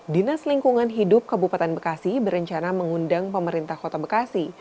dinas lingkungan hidup kabupaten bekasi berencana mengundang pemerintah kota bekasi